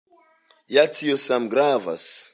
Ja tio same gravas.